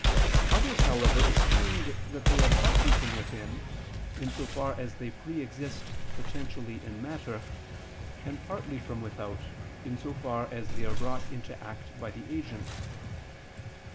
Others, however, esteemed that they are partly from within, in so far as they pre exist potentially in matter; and partly from without, in so far as they are brought into act by the agent.